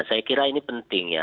saya kira ini penting ya